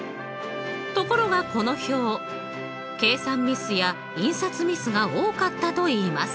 ところがこの表計算ミスや印刷ミスが多かったといいます。